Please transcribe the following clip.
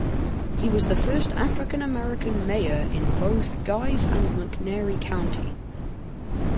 He was the first African American mayor in both Guys and McNairy County.